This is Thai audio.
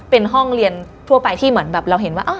เป็นห้องเรียนทั่วไปที่เหมือนแบบเราเห็นว่า